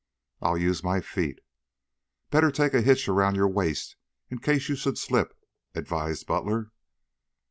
"I'll use my feet." "Better take a hitch around your waist in case you should slip," advised Butler.